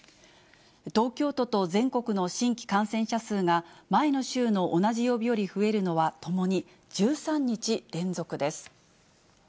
東京都と全国の新規感染者数が前の週の同じ曜日より増えるのは、ともに１３日連続です。